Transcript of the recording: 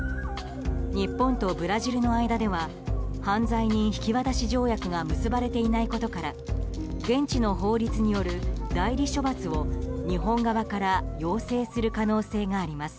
日本とブラジルの間では犯罪人引き渡し条約が結ばれていないことから現地の法律による代理処罰を日本側から要請する可能性があります。